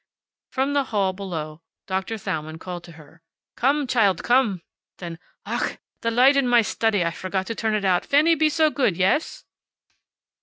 From the hall below Doctor Thalmann called to her. "Come, child, come!" Then, "Ach, the light in my study! I forgot to turn it out, Fanny, be so good, yes?"